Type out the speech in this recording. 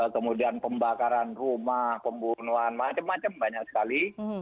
kemudian pembakaran rumah pembunuhan macam macam banyak sekali